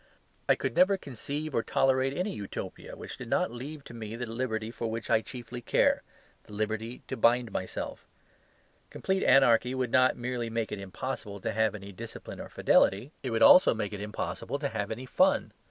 I could never conceive or tolerate any Utopia which did not leave to me the liberty for which I chiefly care, the liberty to bind myself. Complete anarchy would not merely make it impossible to have any discipline or fidelity; it would also make it impossible to have any fun.